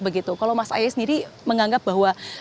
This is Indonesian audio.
begitu kalau mas ahaye sendiri menganggap bahwa